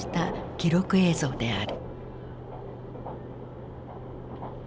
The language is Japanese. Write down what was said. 記録映像である。